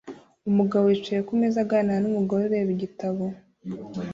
Umugabo yicaye kumeza aganira numugore ureba igitabo